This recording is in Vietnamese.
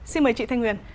xin mời chị thanh huyền